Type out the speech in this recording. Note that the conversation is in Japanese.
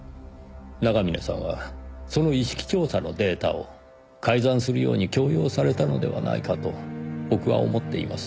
長峰さんはその意識調査のデータを改ざんするように強要されたのではないかと僕は思っています。